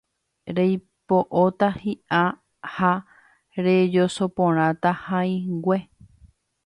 reipo'óta hi'a ha rejosoporãta ha'ỹingue